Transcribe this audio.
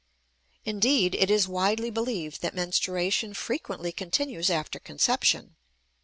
Indeed, it is widely believed that menstruation frequently continues after conception.